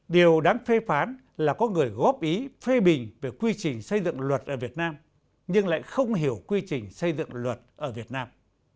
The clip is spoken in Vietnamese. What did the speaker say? điều đáng phê phán là có người góp ý phê bình về quy trình xây dựng luật ở việt nam nhưng lại không hiểu quy trình xây dựng luật ở việt nam